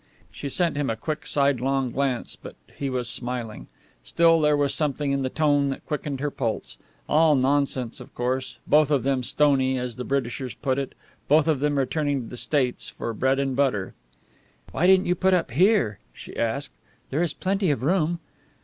She sent him a quick sidelong glance, but he was smiling. Still, there was something in the tone that quickened her pulse. All nonsense, of course; both of them stony, as the Britishers put it; both of them returning to the States for bread and butter. "Why didn't you put up here?" she asked. "There is plenty of room."